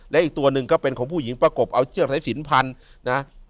และอีกตัวหนึ่งก็เป็นของผู้หญิงประกบเอาเชือกสายสินพันนะ